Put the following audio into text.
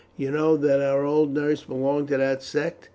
You know that our old nurse belonged to that sect.